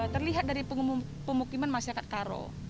terlihat dari pemukiman masyarakat karo